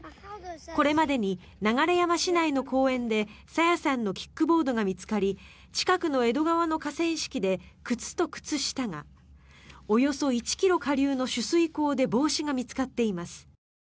これまでに流山市内の公園で朝芽さんのキックボードが見つかり近くの江戸川の河川敷で靴と靴下がおよそ１ｋｍ下流の取水口で帽子が見つかっています。